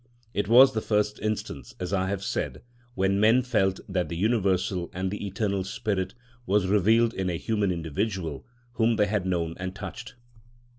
It was the first instance, as I have said, when men felt that the Universal and the Eternal Spirit was revealed in a human individual whom they had known and touched.